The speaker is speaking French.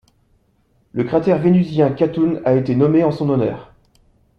Le cratère vénusien Khatun a été nommé en son honneur.